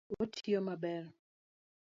Otiyo maber?